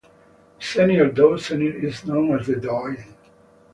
The senior Douzenier is known as the Doyen.